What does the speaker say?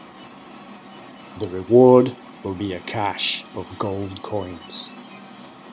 The reward will be a cache of gold coins.